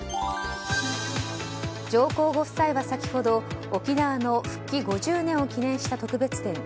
上皇ご夫妻は先ほど沖縄の復帰５０年を記念した特別展